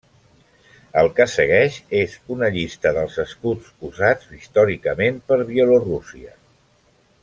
El que segueix és una llista dels escuts usats històricament per Bielorússia.